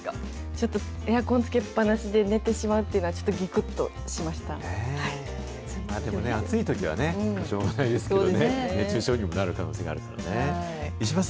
ちょっと、エアコンつけっぱなしで寝てしまうというのは、ちでもね、暑いときはね、しょうがないですけどね。熱中症にもなる可能性があるからね。